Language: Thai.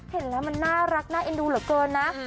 เห็นแล้วมันน่ารักน่าเอ็นดูเหลือเกินนะ